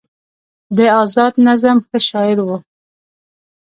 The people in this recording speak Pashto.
د ازاد نظم ښه شاعر و